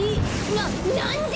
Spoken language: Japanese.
ななんで！？